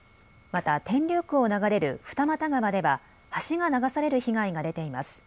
また天竜区を流れる二俣川では橋が流される被害が出ています。